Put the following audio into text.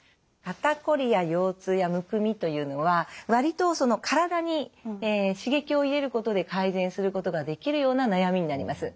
肩こりや腰痛やむくみというのは割と体に刺激を入れることで改善することができるような悩みになります。